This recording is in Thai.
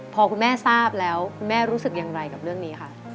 พอคุณแม่ทราบแล้วคุณแม่รู้สึกอย่างไรกับเรื่องนี้ค่ะ